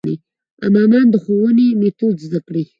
امامان د ښوونې میتود زده کړي.